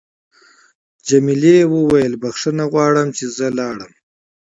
جميلې وويل: بخښنه غواړم چې زه لاړم.